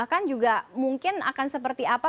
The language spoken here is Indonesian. bahkan juga mungkin akan seperti apa ya pak